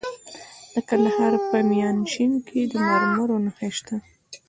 د کندهار په میانشین کې د مرمرو نښې شته.